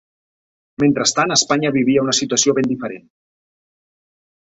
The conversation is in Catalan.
Mentrestant Espanya vivia una situació ben diferent.